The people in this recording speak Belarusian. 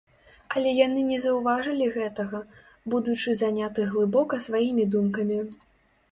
Але яны не заўважылі гэтага, будучы заняты глыбока сваімі думкамі.